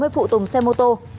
một trăm sáu mươi phụ tùng xe mô tô